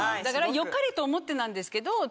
だからよかれと思ってなんですけど。